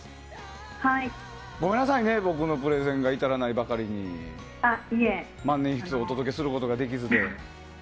ごめんなさいね、僕のプレゼンが至らないばかりに万年筆をお届けすることができずに。